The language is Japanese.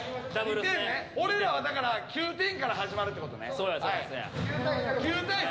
俺らは９点から始まるってことね。